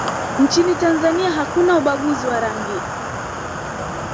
nchini tanzania hakuna ubaguzi wa rangi